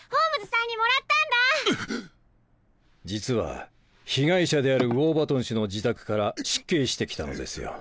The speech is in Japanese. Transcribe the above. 実は被害者であるウォーバトン氏の自宅から失敬して来たのですよ。